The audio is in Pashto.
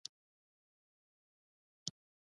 که چای نه وي، باران هم بېخونده ښکاري.